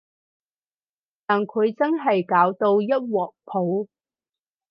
但佢真係搞到一鑊泡